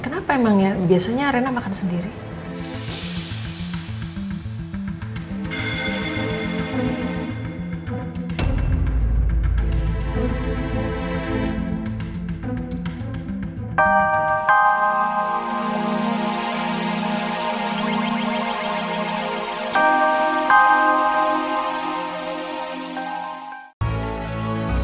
nih makasih terima kasih